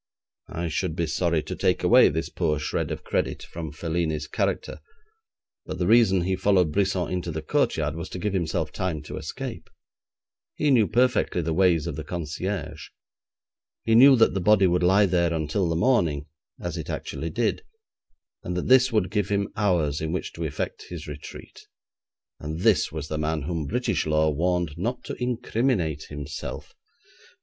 I should be sorry to take away this poor shred of credit from Felini's character, but the reason he followed Brisson into the courtyard was to give himself time to escape. He knew perfectly the ways of the concierge. He knew that the body would lie there until the morning, as it actually did, and that this would give him hours in which to effect his retreat. And this was the man whom British law warned not to incriminate himself!